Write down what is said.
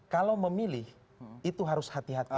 kalau memilih itu harus hati hati